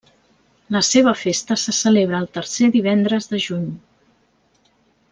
La seva festa se celebra el tercer divendres de juny.